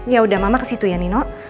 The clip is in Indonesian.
yaudah mama ke situ ya nino